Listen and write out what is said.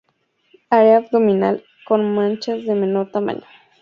Area abdominal con manchas de menor tamaño.